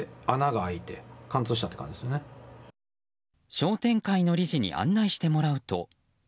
商店会の理事に案内してもらうと。